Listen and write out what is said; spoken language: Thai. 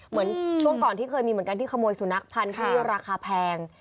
เหมือนช่วงก่อนที่เคยมีเหมือนกันที่ขโมยสุนัขพันธุ์ที่ราคาแพง